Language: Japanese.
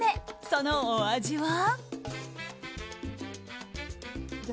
そのお味は？